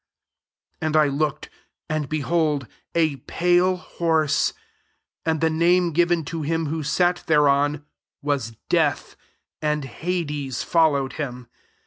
8 [_And I looked,'] and, behold, a pale horse; and the name given to him who sat thereon was Death, and Hades* followed him.